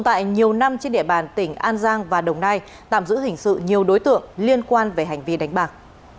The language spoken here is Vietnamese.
tại nhiều năm trên địa bàn tỉnh an giang và đồng nai tạm giữ hình sự nhiều đối tượng liên quan về hành vi đánh bạc